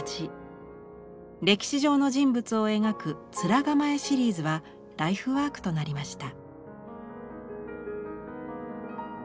歴史上の人物を描く「面構」シリーズはライフワークとなりました。